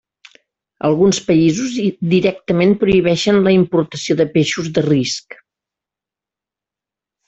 Alguns països directament prohibeixen la importació de peixos de risc.